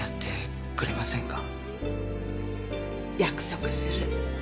約束する。